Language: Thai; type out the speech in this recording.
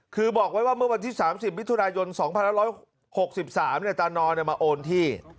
คือบอกไว้ว่าเมื่อวันที่๓๐มิถุนายน๒๑๖๓ตานอนมาโอนที่